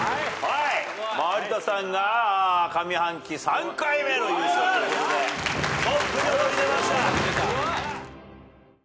有田さんが上半期３回目の優勝ということでトップに躍り出ました。